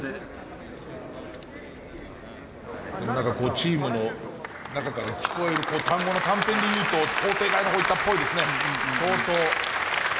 チームの中から聞こえる単語の断片で言うと想定外のほう行ったっぽいですね相当。